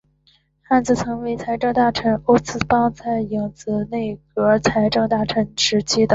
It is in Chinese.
汉兹曾为财政大臣欧思邦在影子内阁财政大臣时期的。